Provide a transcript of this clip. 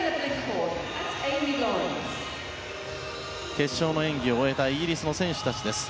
決勝の演技を終えたイギリスの選手たちです。